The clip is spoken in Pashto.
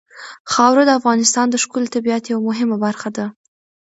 خاوره د افغانستان د ښکلي طبیعت یوه مهمه برخه ده.